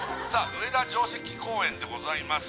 上田城跡公園でございます